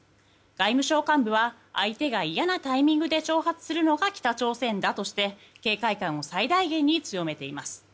外務省幹部は相手が嫌なタイミングで挑発するのが北朝鮮だとして警戒感を最大限に強めています。